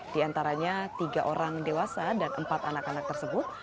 diantaranya tiga orang dewasa dan empat anak anak tersebut